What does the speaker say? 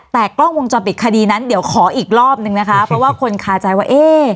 แต่กล้องวงจรปิดคดีนั้นเดี๋ยวขออีกรอบนึงนะคะเพราะว่าคนคาใจว่าเอ๊ะ